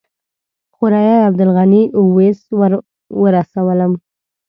خوريي عبدالغني ویس ورسولم.